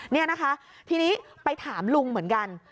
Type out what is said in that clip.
นี่นะคะทีนี้ไปถามลุงเหมือนกัน